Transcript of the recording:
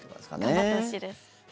頑張ってほしいです。